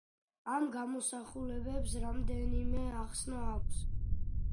ამ გამოსახულებებს რამდენიმე ახსნა აქვს.